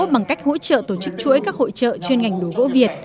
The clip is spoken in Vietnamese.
bằng cách hỗ trợ tổ chức chuỗi các hội trợ chuyên ngành đồ gỗ việt